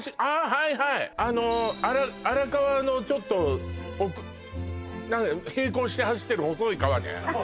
はいはいあの荒川のちょっと奥並行して走ってる細い川ねあっ